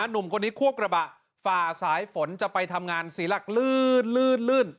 หนุ่มคนนี้คั่วกระบะฝ่าสายฝนจะไปทำงานเสียหลักลื่นลื่น